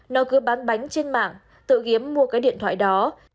nó cứ bán bánh trên mạng tự kiếm mua cái điện thoại đó